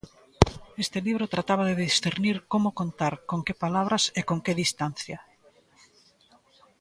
Este libro trataba de discernir como contar, con que palabras e con que distancia.